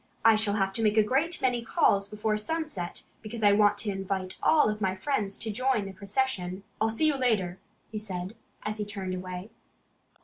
I shall have to make a great many calls before sunset, because I want to invite all my friends to join the procession. ... I'll see you later," he said, as he turned away.